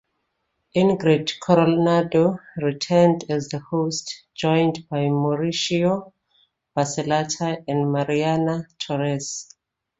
Ingrid Coronado returned as the host, joined by Mauricio Barcelata and Mariana Torres.